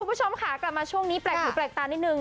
คุณผู้ชมค่ะกลับมาช่วงนี้แปลกหูแปลกตานิดนึง